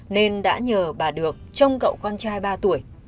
nên đã nhờ bà được trong cậu con trai ba tuổi